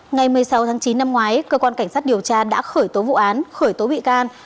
ngày một mươi sáu tháng chín năm ngoái cơ quan cảnh sát điều tra đã khởi tố vụ án khởi tố bị can